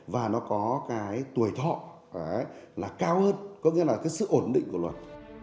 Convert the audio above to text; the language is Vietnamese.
và nó có cái tuổi thọ là cao hơn có nghĩa là cái sự ổn định của luật